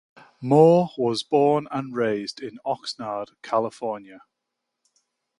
Moore was born and raised in Oxnard, California.